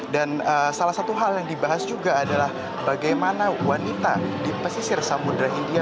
dan salah satu hal yang dibahas juga adalah bagaimana wanita di pesisir samudera india